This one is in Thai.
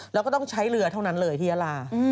แล้วก็ต้องใช้เรือเท่านั้นเลยที่ยาลา